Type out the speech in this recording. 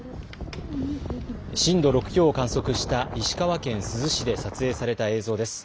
震度６強を観測した石川県珠洲市で撮影された映像です。